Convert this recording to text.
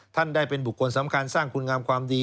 ท่านได้เป็นบุคคลสำคัญสร้างคุณงามความดี